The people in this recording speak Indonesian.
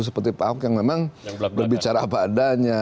seperti pak ahok yang memang berbicara apa adanya